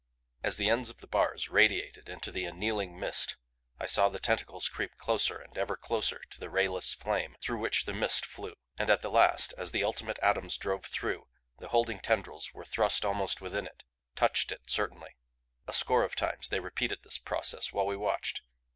As the ends of the bars radiated into the annealing mist I saw the tentacles creep closer and ever closer to the rayless flame through which the mist flew. And at the last, as the ultimate atoms drove through, the holding tendrils were thrust almost within it; touched it, certainly. A score of times they repeated this process while we watched.